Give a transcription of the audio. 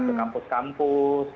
ke kampus kampus